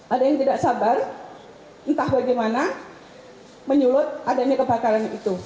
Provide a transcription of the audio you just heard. ada yang tidak sabar entah bagaimana menyulut adanya kebakaran itu